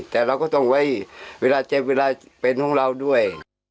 แต่เราก็ต้องไว้เวลาเจ็บเวลาเป็นของเราด้วย